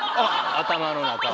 頭の中を。